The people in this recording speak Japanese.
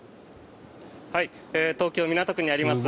東京・港区にあります